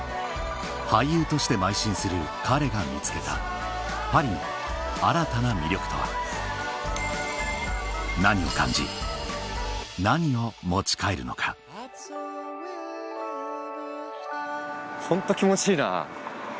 俳優として邁進する彼が見つけたパリの新たな魅力とは何を感じ何を持ち帰るのかホント気持ちいいな。